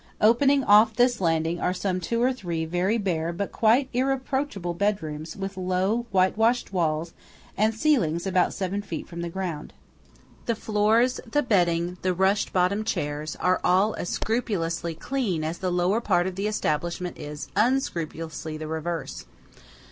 Opening off this landing are some two or three very bare but quite irreproachable bedrooms with low whitewashed walls, and ceilings about seven feet from the ground. The floors, the bedding, the rush bottomed chairs are all as scrupulously clean as the lower part of the establishment is unscrupulously the reverse.